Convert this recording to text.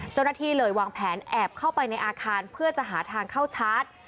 เจ้าหน้าที่เลยวางแผนแอบเข้าไปในอาคารเพื่อจะหาทางเข้าชาร์จ